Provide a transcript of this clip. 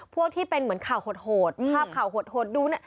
พวกเหล่าข่าวถงโหด